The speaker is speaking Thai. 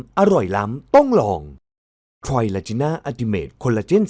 มีบริษัทที่กรุงเทพส่งเมลมาเสนองานที่ทำการตลาดนี้